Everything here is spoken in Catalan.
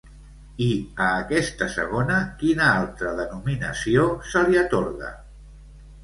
I a aquesta segona, quina altra denominació se li atorga?